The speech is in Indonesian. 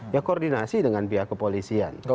ya koordinasi dengan pihak kepolisian